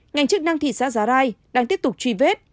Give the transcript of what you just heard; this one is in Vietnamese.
ngành chức năng thị xã giá rai đang tiếp tục truy vết